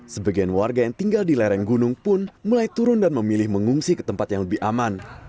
sebagian warga yang tinggal di lereng gunung pun mulai turun dan memilih mengungsi ke tempat yang lebih aman